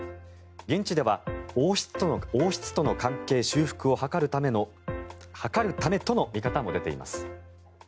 現地では王室との関係修復を図るためとの見方も出ています。